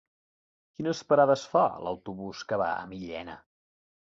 Quines parades fa l'autobús que va a Millena?